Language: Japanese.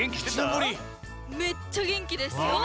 めっちゃげんきですよ！